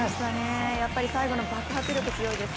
やっぱり最後の爆発力、強いです。